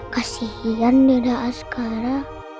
kenapa omah gak bisa nemukan dede askara